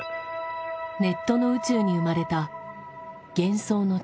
ネットの宇宙に生まれた幻想の月。